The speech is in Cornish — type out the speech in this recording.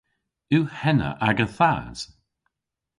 Yw henna aga thas?